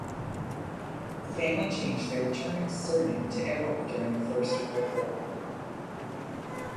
The family changed their German surname to Erroll during the First World War.